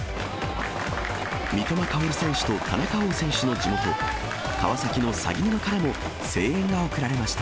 三笘薫選手と田中碧選手の地元、川崎の鷺沼からも、声援が送られました。